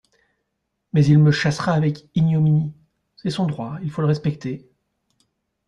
Mais il me chassera avec ignominie ! C'est son droit, il faut le respecter.